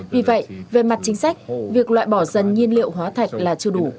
vì vậy về mặt chính sách việc loại bỏ dần nhiên liệu hóa thạch là chưa đủ